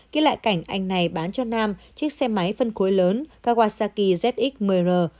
ký lại cảnh anh này bán cho nam chiếc xe máy phân khối lớn kawasaki zx một mươi r